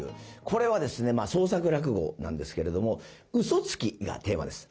これはですねまあ創作落語なんですけれども嘘つきがテーマです。